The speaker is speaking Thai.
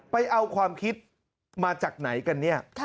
ไปเอาความคิดมาจากไหนกันเนี่ย